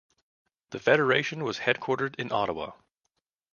The Federation was headquartered in Ottawa.